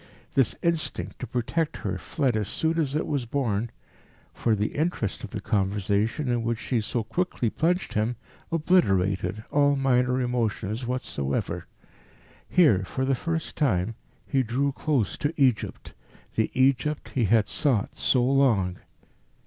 This instinct to protect her fled as soon as it was born, for the interest of the conversation in which she so quickly plunged him obliterated all minor emotions whatsoever. Here, for the first time, he drew close to Egypt, the Egypt he had sought so long.